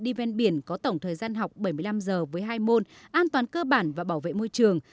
đi ven biển có tổng thời gian học bảy mươi năm giờ với hai môn an toàn cơ bản và bảo vệ môi trường